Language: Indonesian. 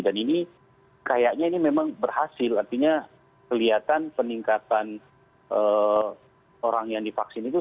dan ini kayaknya ini memang berhasil artinya kelihatan peningkatan orang yang divaksin itu